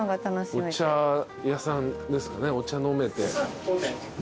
お茶屋さんですかねお茶飲めて。